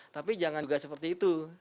tapi jangan juga seperti itu